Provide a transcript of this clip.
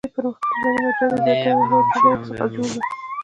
پرمختللي ژوندي موجودات د زیاتو حجرو څخه جوړ وي.